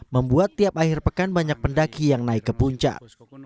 membuat tiap akhir pekan banyak pendaki yang naik ke puncak